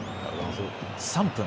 ３分。